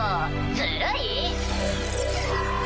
ずるい。